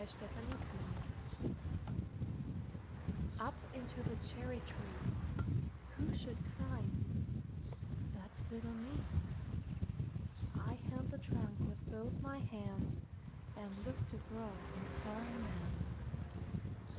Foreign Lands UP into the cherry treeWho should climb but little me?I held the trunk with both my handsAnd looked abroad on foreign lands.